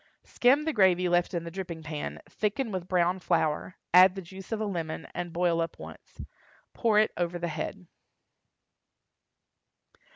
Skim the gravy left in the dripping pan, thicken with brown flour, add the juice of a lemon, and boil up once. Pour it over the head.